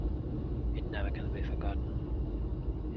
It never can be forgotten.